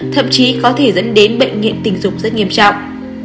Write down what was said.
thậm chí có thể dẫn đến bệnh nghiện tính dục rất nghiêm trọng